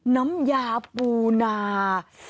น้ำยาปูนา